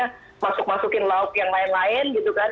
bisa masuk masukin laut yang lain lain gitu kan